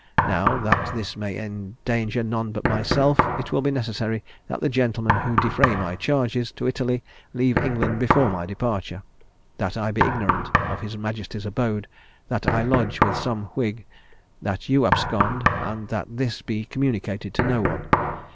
Now, that this may endanger none but myself, it will be necessary that the gentlemen who defray my charges to Italy leave England before my departure; that I be ignorant of his majesty's abode; that I lodge with some whig; that you abscond; and that this be communicated to none.